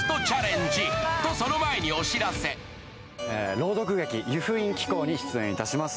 朗読劇「湯布院奇行」に出演します。